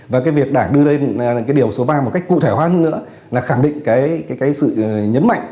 và việc đảng đưa lên điều số ba một cách cụ thể hơn nữa là khẳng định sự nhấn mạnh